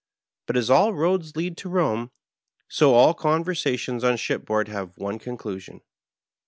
Bat as all roads lead to Borne, so all conversationB on fihipboard have one conclusion.